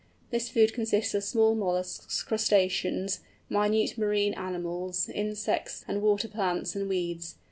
This food consists of small molluscs, crustaceans, minute marine animals, insects, and water plants, and weeds.